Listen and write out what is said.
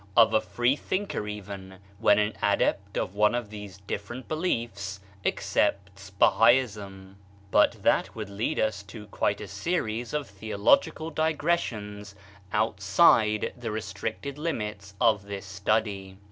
of a Free Thinker even, when an adept of one of these different beliefs accepts Bahaism. But that would lead us to 152 THE INDIVIDUAL 153 quite a series of theological digressions outside the restricted limits of this study.